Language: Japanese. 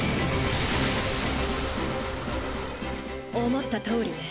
思ったとおりね。